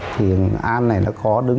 thì an này nó có đứng